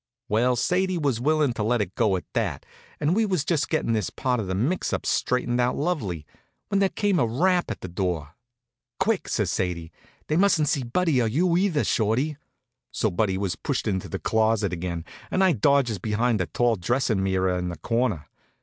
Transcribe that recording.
Well, Sadie was willin' to let it go at that, and we was just gettin' this part of the mix up straightened out lovely, when there came a rap at the door. "Quick," says Sadie. "They mustn't see Buddy or you either, Shorty!" So Buddy was pushed into the closet again, and I dodges behind a tall dressin' mirror in the corner.